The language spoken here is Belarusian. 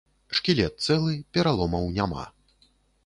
Шкілет цэлы, пераломаў няма.